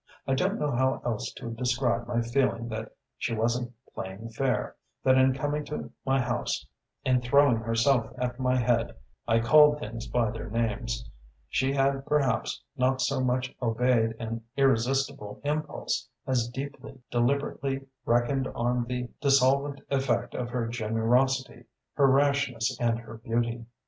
I don't know how else to describe my feeling that she wasn't playing fair, that in coming to my house, in throwing herself at my head (I called things by their names), she had perhaps not so much obeyed an irresistible impulse as deeply, deliberately reckoned on the dissolvent effect of her generosity, her rashness and her beauty....